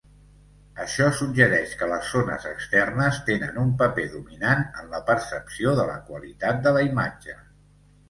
Això suggereix que les zones externes tenen un paper dominant en la percepció de la qualitat de la imatge.